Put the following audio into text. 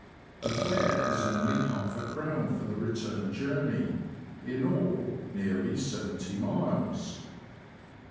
The fare is only half a crown for the return journey — in all, nearly seventy miles.